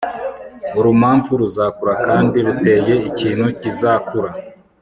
urumamfu ruzakura kandi ruteye ikintu kizakura